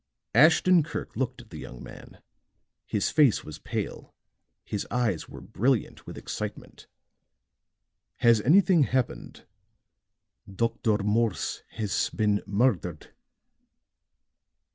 Ashton Kirk looked at the young man; his face was pale, his eyes were brilliant with excitement. "Has anything happened?" "Dr. Morse has been murdered."